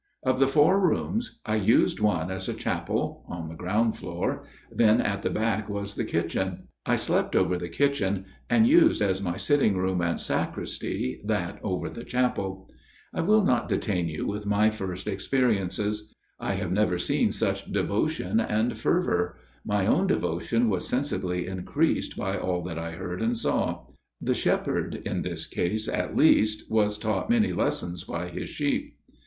Of the four rooms I used one as a chapel, on the ground floor ; that at the back was the kitchen I slept over the kitchen, and used as my sitting room and sacristy that over the chapel. " I will not detain you with my first experiences. FATHER GIRDLESTONE'S TALE 95 They were most edifying. I have never seen such devotion and fervour. My own devotion was sensibly increased by all that I heard and saw. The shepherd, in this case at least, was taught many lessons by his sheep.